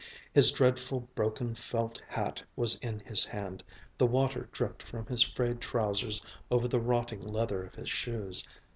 His dreadful broken felt hat was in his hand, the water dripped from his frayed trousers over the rotting leather of his shoes.